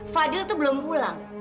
fadil tuh belum pulang